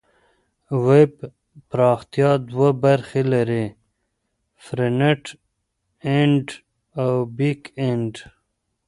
ویب پراختیا دوه برخې لري: فرنټ اینډ او بیک اینډ.